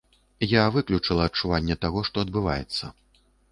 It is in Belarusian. Я выключыла адчуванне таго, што адбываецца.